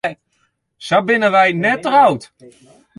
Sa binne wy net troud.